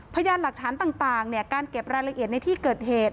พยานหลักฐานต่างการเก็บรายละเอียดในที่เกิดเหตุ